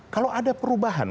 kalau ada perubahan